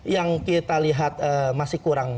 yang kita lihat masih kurang